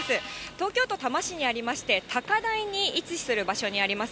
東京都多摩市にありまして、高台に位置する場所にあります。